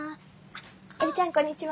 江理ちゃんこんにちは。